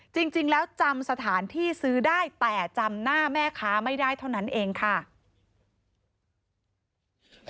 จริงแล้วจำสถานที่ซื้อได้แต่จำหน้าแม่ค้าไม่ได้เท่านั้นเองค่ะ